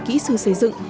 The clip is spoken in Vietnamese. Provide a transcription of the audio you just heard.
kỹ sư xây dựng